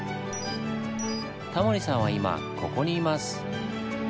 タモリさんは今ここにいます。